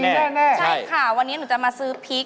ใช่ค่ะวันนี้หนูจะมาซื้อพริก